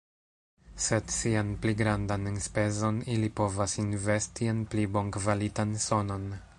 Sed sian pli grandan enspezon ili povas investi en pli bonkvalitan sonon.